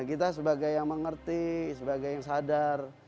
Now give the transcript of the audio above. kita sebagai yang mengerti sebagai yang sadar